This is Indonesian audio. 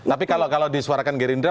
tapi kalau disuarakan gerindra